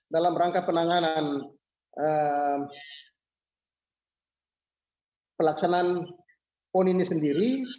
dalam rangka penanganan pelaksanaan pon ini sendiri